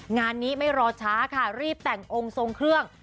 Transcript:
งานนี้ไม่รอช้าค่ะรีบแต่งองค์ทรงเครื่อง